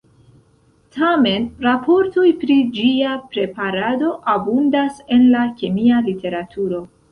Tamen, raportoj pri ĝia preparado abundas en la kemia literaturo.